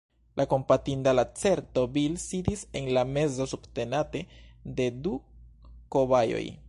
La kompatinda lacerto Bil sidis en la mezo subtenate de du kobajoj